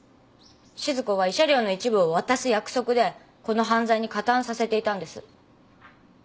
静子は慰謝料の一部を渡す約束でこの犯罪に加担させていたんです。